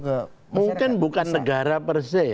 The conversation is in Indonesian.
masyarakat mungkin bukan negara per se